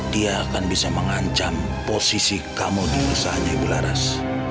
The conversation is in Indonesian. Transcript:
dia akan bisa mengancam posisi kamu diusahanya ibu laras